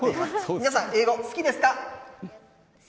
皆さん、英語好きですか？